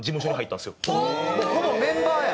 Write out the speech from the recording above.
もうほぼメンバーや！